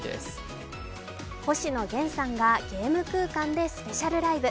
星野源さんがゲーム空間でスペシャルライブ。